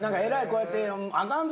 えらいこうやって。